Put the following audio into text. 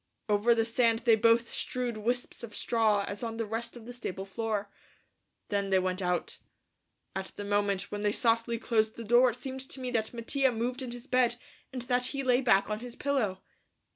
Over the sand they both strewed wisps of straw as on the rest of the stable floor. Then they went out. At the moment when they softly closed the door it seemed to me that Mattia moved in his bed and that he lay back on his pillow.